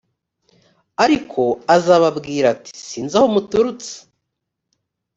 ariko azababwira ati sinzi aho muturutse .